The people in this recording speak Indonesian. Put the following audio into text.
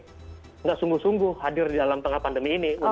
tidak sungguh sungguh hadir di dalam tengah pandemi ini